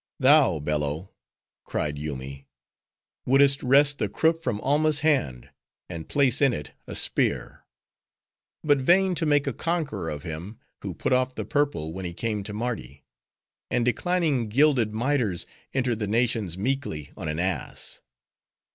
"Thou, Bello!" cried Yoomy, "would'st wrest the crook from Alma's hand, and place in it a spear. But vain to make a conqueror of him, who put off the purple when he came to Mardi; and declining gilded miters, entered the nations meekly on an ass."